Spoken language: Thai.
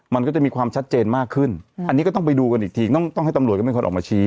มันก็จะมีความชัดเจนมากขึ้นอันนี้ก็ต้องไปดูกันอีกทีต้องต้องให้ตำรวจก็เป็นคนออกมาชี้